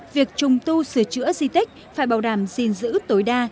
việc trùng tu sửa chữa di tích phải bảo đảm gìn giữ tối đa